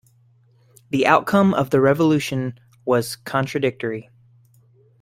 The outcome of the revolution was contradictory.